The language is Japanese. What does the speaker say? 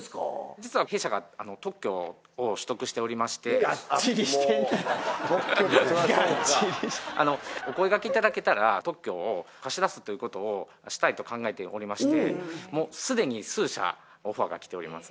実は弊社が特許を取得しておりましてあっもう特許そりゃそうかがっちりしてるねお声がけいただけたら特許を貸し出すということをしたいと考えておりまして既に数社オファーが来ております